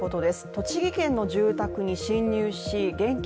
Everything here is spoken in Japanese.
栃木県の住宅に侵入し現金